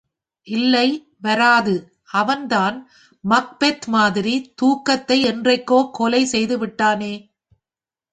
இல்லை வராது அவன் தான் மக்பெத்மாதிரி தூக்கத்தை என்றைக்கோ கொலை செய்து விட்டானே.